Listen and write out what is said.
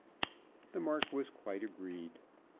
The Marquis quite agreed.